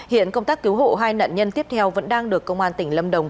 hiện công tác cứu hộ hai nạn nhân tiếp theo vẫn đang được công an tỉnh lâm đồng